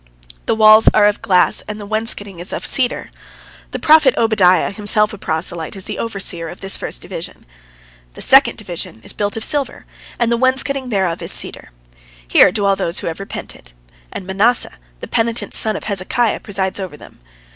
The walls are of glass and the wainscoting of cedar. The prophet Obadiah, himself a proselyte, is the overseer of this first division. The second division is built of silver, and the wainscoting thereof is of cedar. Here dwell those who have repented, and Manasseh, the penitent son of Hezekiah, presides over them.